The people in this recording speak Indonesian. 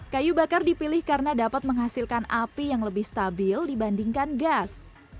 kayu bakar dipilih karena dapat menghasilkan api yang lebih stabil dibandingkan gas